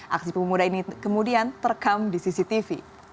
aksi pemuda ini kemudian terekam di cctv